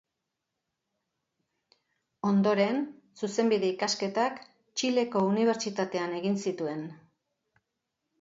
Ondoren zuzenbide ikasketak Txileko Unibertsitatean egin zituen.